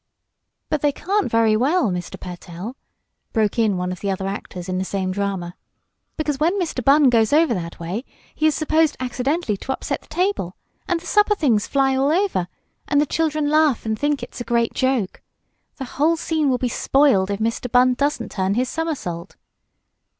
"But they can't very well, Mr. Pertell!" broke in one of the other actors in the same drama. "Because when Mr. Bunn goes over that way he is supposed accidentally to upset the table, and the supper things fly all over, and the children laugh and think it's a great joke. The whole scene will be spoiled if Mr. Bunn doesn't turn his somersault."